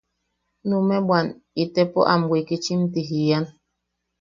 Numeʼe bwan itepo am wikichim ti jian.